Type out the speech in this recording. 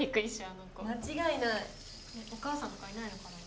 あの子間違いないお母さんとかいないのかな？